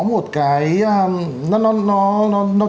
một cái nó